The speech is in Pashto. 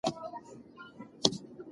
هغوی لا دمخه خپل درسونه تکرار کړي.